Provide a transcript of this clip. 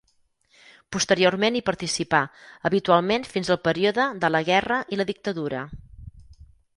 Posteriorment hi participà habitualment fins al període de la guerra i la dictadura.